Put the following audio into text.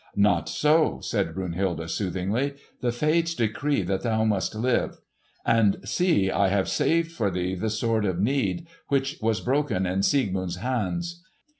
"Not so," said Brunhilde soothingly. "The Fates decree that thou must live. And see, I have saved for thee the Sword of Need which was broken in Siegmund's hands.